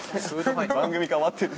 番組変わってる。